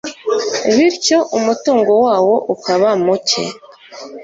bityo umutungo wawo ukaba muke